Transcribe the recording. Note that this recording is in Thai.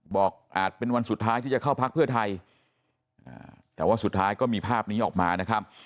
อาจเป็นวันสุดท้ายที่จะเข้าพักเพื่อไทยแต่ว่าสุดท้ายก็มีภาพนี้ออกมานะครับ